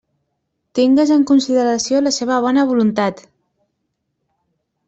Tingues en consideració la seva bona voluntat!